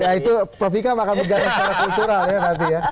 ya itu prof ika makan bergaris secara kultural ya